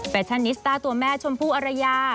แฟชั่นนิสตาร์ตัวแม่ชมพูอารยา